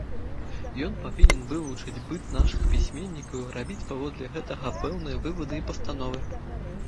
Ён павінен вывучыць быт нашых пісьменнікаў і рабіць паводле гэтага пэўныя вывады і пастановы.